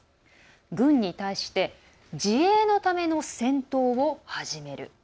軍に対して自衛のための戦闘を始める。